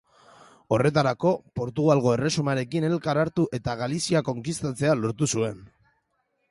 Horretarako, Portugalgo Erresumarekin elkar hartu, eta Galizia konkistatzea lortu zuen.